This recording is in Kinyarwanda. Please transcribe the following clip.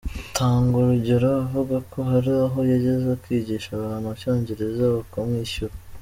Atanga urugero avuga ko hari aho yageze akigisha abantu icyongereza bakamwishyura.